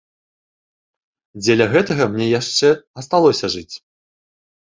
Дзеля гэтага мне яшчэ асталося жыць.